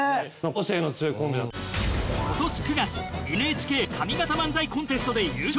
今年９月ＮＨＫ上方漫才コンテストで優勝。